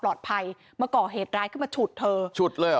และทำงานก่อเหด็คงชุดผู้เจอ